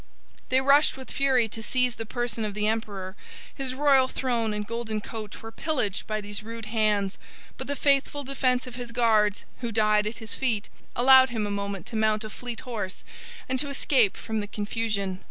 They rushed with fury to seize the person of the emperor; his royal throne and golden couch were pillaged by these rude hands; but the faithful defence of his guards, who died at his feet, allowed him a moment to mount a fleet horse, and to escape from the confusion.